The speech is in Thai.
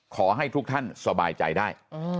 ขอให้ทุกท่านสบายใจได้